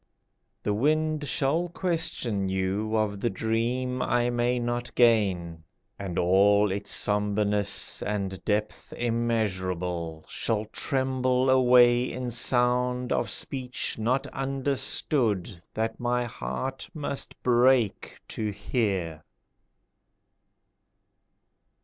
The wind shall question you Of the dream I may not gain, And all its sombreness And depth immeasurable, Shall tremble away in sound Of speech not understood That my heart must break to hear.